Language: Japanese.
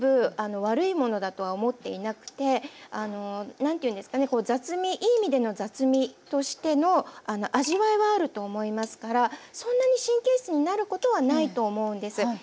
何ていうんですかね雑味いい意味での雑味としての味わいはあると思いますからそんなに神経質になることはないと思うんです。